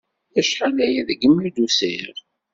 Acḥal-aya degmi d-usiɣ.